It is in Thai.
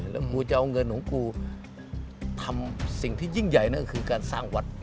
แล้วกูจะเอาเงินของกูทำสิ่งที่ยิ่งใหญ่นั่นก็คือการสร้างวัด